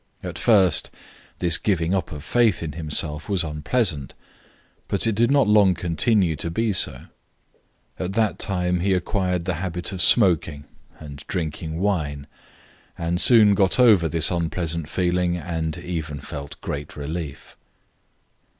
At first this giving up of faith in himself was unpleasant, but it did not long continue to be so. At that time he acquired the habit of smoking, and drinking wine, and soon got over this unpleasant feeling and even felt great relief.